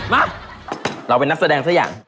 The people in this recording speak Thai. มาเราเป็นนักแสดงสักอย่าง